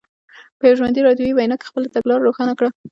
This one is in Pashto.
په یوه ژوندۍ راډیویي وینا کې خپله تګلاره روښانه کړه.